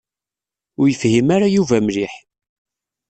Ur yefhim ara Yuba mliḥ.